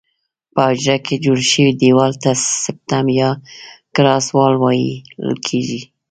په حجره کې جوړ شوي دیوال ته سپټم یا کراس وال ویل کیږي.